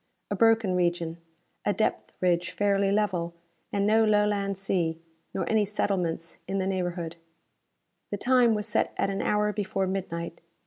A broken region, a depth ridge fairly level, and no Lowland sea, nor any settlements in the neighborhood. The time was set at an hour before midnight.